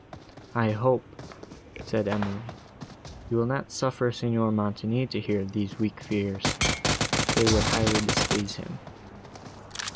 "I hope," said Emily, "you will not suffer Signor Montoni to hear of these weak fears; they would highly displease him."